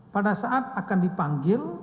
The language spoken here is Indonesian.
pada saat akan dipanggil